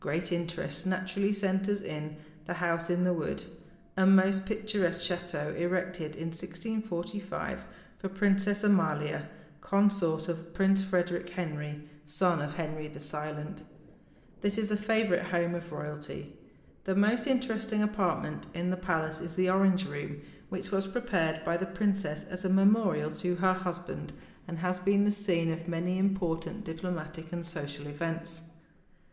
Great interest naturally centers in "The House in the Wood," a most picturesque château erected in 1645 for Princess Amalia, consort of Prince Frederick Henry, son of Henry the Silent. This is the favorite home of royalty. The most interesting apartment in the palace is the Orange Room, which was prepared by the princess as a memorial to her husband, and has been the scene of many important diplomatic and social events.